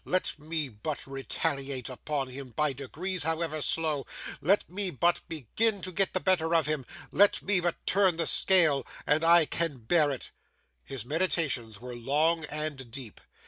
Let me but retaliate upon him, by degrees, however slow let me but begin to get the better of him, let me but turn the scale and I can bear it.' His meditations were long and deep.